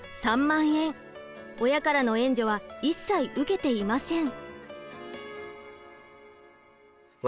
親からの援助は一切受けていません。